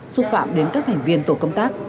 xúc phạm đến các thành viên tổ công tác